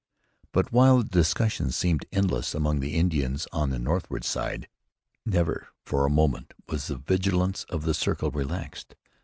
] But, while the discussion seemed endless among the Indians on the northward side, never for a moment was the vigilance of the circle relaxed.